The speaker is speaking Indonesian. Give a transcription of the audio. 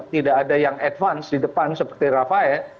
tidak ada yang advance di depan seperti rafa e